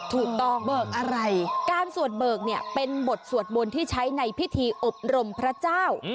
ถูกต้องเบิกอะไรการสวดเบิกเนี่ยเป็นบทสวดบนที่ใช้ในพิธีอบรมพระเจ้า